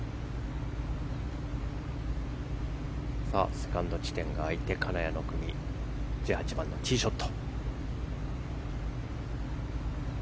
セカンド地点が空いて金谷の組１８番のティーショット。